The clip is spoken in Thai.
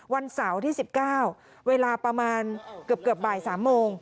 วันเสาร์ที่๑๙เวลาประมาณเกือบบ่าย๓โมง